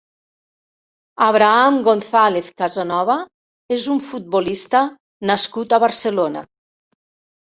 Abraham González Casanova és un futbolista nascut a Barcelona.